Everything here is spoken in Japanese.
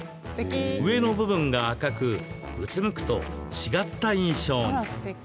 上の部分が赤くうつむくと違った印象に。